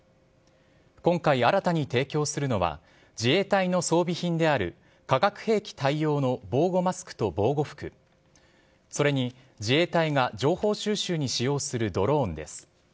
今回新たに提供するのは、自衛隊の装備品である化学兵器対応の防護マスクと防護服、それに自衛隊が情報収集に使用するドローンです。